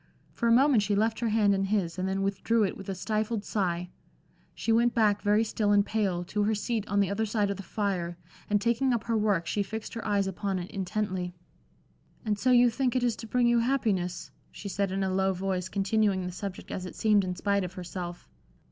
For a moment she left her hand in his and then withdrew it with a stifled sigh. She went back very still and pale, to her seat on the other side of the fire, and taking up her work, she fixed her eyes upon it intently. "And so you think it is to bring you happiness?" she said, in a low voice, continuing the subject as it seemed in spite of herself.